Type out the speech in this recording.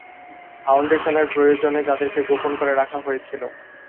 Foundation এর প্রয়োজনে যাদেরকে গোপন করে রাখা হয়েছিল।